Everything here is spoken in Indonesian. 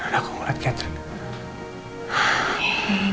dan aku melihat katrin